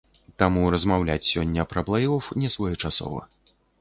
Таму размаўляць сёння пра плэй-оф несвоечасова.